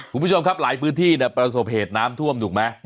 คุณผู้ชมครับหลายพื้นที่ประสบเหตุน้ำท่วมถูกไหม